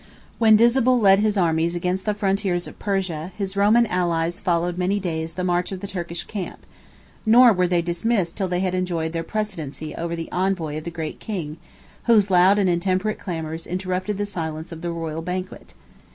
When Disabul led his armies against the frontiers of Persia, his Roman allies followed many days the march of the Turkish camp, nor were they dismissed till they had enjoyed their precedency over the envoy of the great king, whose loud and intemperate clamors interrupted the silence of the royal banquet.